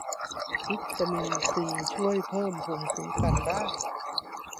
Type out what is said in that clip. วิตามินซีช่วยเพิ่มภูมิคุ้มกันได้